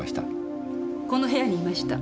この部屋にいました。